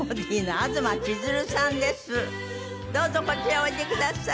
どうぞこちらへおいでください。